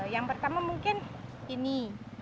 yang pertama mungkin ini